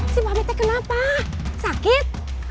si pape kenapa sakit